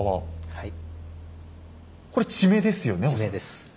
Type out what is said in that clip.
はい。